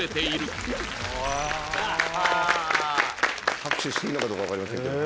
拍手していいのかどうか分かりませんけどね。